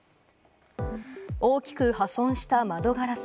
大きく破損した窓ガラス。